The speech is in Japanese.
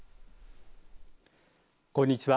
こんにちは。